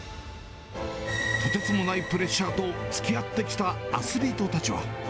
とてつもないプレッシャーとつきあってきたアスリートたちは。